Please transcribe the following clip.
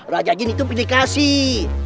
raja gini tuh dikasih